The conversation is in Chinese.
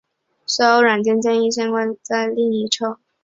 随后软件建议将相关应用显示在另一侧。